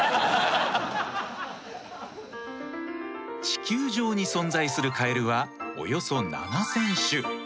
地球上に存在するカエルはおよそ７，０００種。